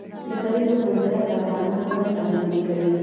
د کلیزو منظره د افغانانو ژوند اغېزمن کوي.